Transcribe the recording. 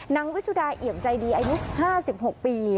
นางวิชุดาเอี่ยมใจดีอายุ๕๖ปี